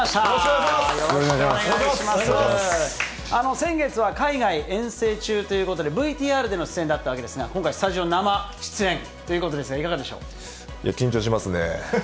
先月は海外遠征中ということで、ＶＴＲでの出演だったわけですが、今回、スタジオ生出演といいや、緊張しますね。